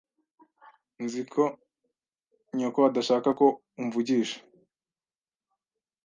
Nzi ko nyoko adashaka ko umvugisha.